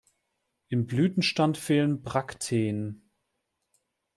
Im Blütenstand fehlen Brakteen.